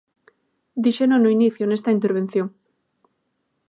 Díxeno no inicio nesta intervención.